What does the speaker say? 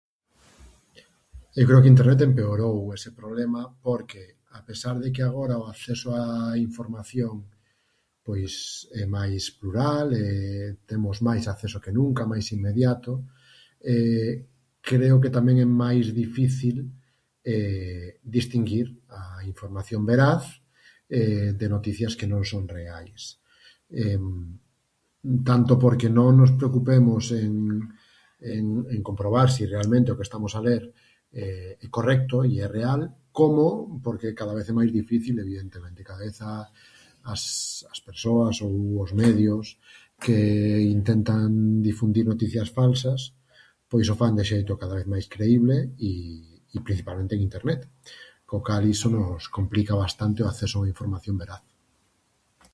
Eu creo que internet empeorou ese problema porque, a pesar de que agora o acceso a información, pois é máis plural, temos máis acceso que nunca, máis inmediato, creo que tamén é máis difícil distinguir a información veraz de noticias que non son reais, tanto porque non nos preocupemos en en en comprobar si realmente o que estamos a ler é correcto i é real como porque cada vez é máis difícil, evidentemente, cada vez a as as persoas ou os medio que intentan difundir noticias falsas, pois, o fan de xeito cada vez máis creíble i i, principalmente, en internet, co cal iso nos complica bastante o acceso a información veraz.